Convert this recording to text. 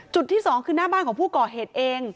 จุดที่๒คือหน้าบ้านของผู้ก่อเหตุเอง